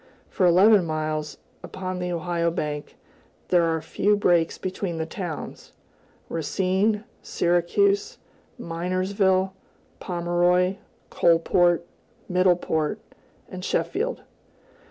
For eleven miles, upon the Ohio bank, there are few breaks between the towns, Racine, Syracuse, Minersville, Pomeroy, Coalport, Middleport, and Sheffield.